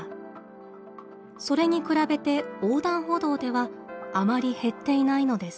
それに比べて横断歩道ではあまり減っていないのです。